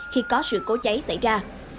khi có sự cố cháy xảy ra